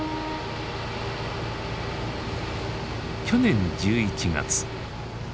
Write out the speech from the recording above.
去年１１月。